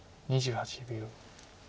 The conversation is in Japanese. ２８秒。